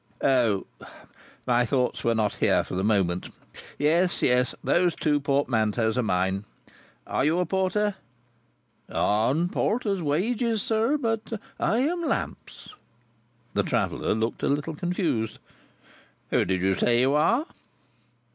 "O! My thoughts were not here for the moment. Yes. Yes. Those two portmanteaus are mine. Are you a Porter?" "On Porter's wages, sir. But I am Lamps." The traveller looked a little confused. "Who did you say you are?"